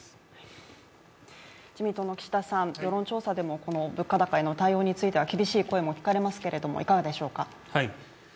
自民党の岸田さん、世論調査でも物価高の対応へは厳しい声も聞かれますけどもいかがでしょうか。